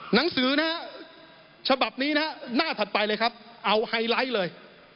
หนังสือนะฮะฉบับนี้นะฮะหน้าถัดไปเลยครับเอาไฮไลท์เลย